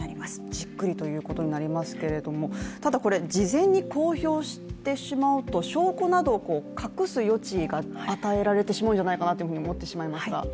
じっくりということになりますけれどもただこれ、事前に公表してしまうと証拠などを隠す余地が与えられてしまうんじゃないかというふうに思ってしまいますが。